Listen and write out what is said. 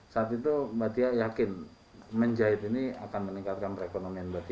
saat itu mbak tia yakin menjahit ini akan meningkatkan perekonomian